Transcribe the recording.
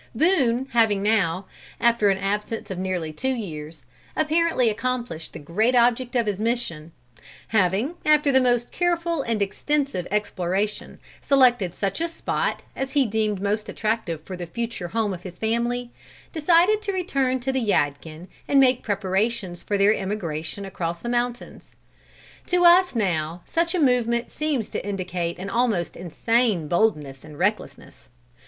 Boone having now, after an absence of nearly two years, apparently accomplished the great object of his mission; having, after the most careful and extensive exploration, selected such a spot as he deemed most attractive for the future home of his family, decided to return to the Yadkin and make preparations for their emigration across the mountains. To us now, such a movement seems to indicate an almost insane boldness and recklessness.